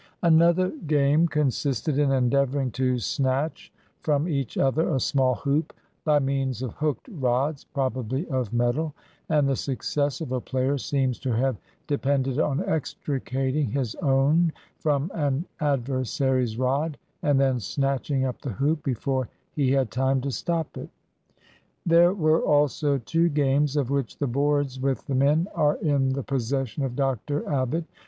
21 EGYPT Another game consisted in endeavoring to snatch from each other a small hoop, by means of hooked rods, probably of metal; and the success of a player seems to have depended on extricating his own from an adver sary's rod, and then snatching up the hoop, before he had time to stop it. There were also two games, of which the boards, with the men, are in the possession of Dr. Abbott.